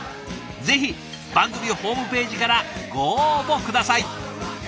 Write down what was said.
ぜひ番組ホームページからご応募下さい！